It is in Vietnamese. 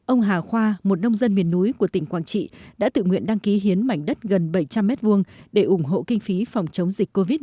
ông hà khoa một nông dân miền núi của tỉnh quảng trị đã tự nguyện đăng ký hiến mảnh đất gần bảy trăm linh m hai để ủng hộ kinh phí phòng chống dịch covid một mươi chín